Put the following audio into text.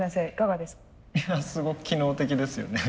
すごく機能的ですよね。